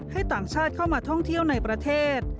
ต่างชาติเข้ามาท่องเที่ยวในประเทศ